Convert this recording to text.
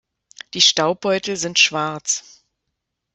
Die Staubbeutel sind schwarz.